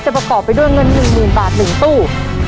ประกอบไปด้วยเงิน๑๐๐๐บาท๑ตู้